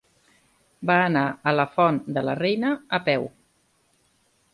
Va anar a la Font de la Reina a peu.